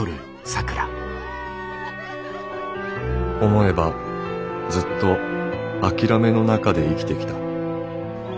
「思えばずっと諦めの中で生きてきた。